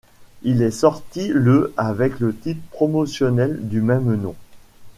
Il est sorti le avec le titre promotionnel du même nom.